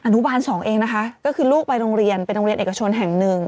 อนุบาลสองเองนะคะก็คือลูกไปโรงเรียนเป็นโรงเรียนเอกชนแห่งหนึ่ง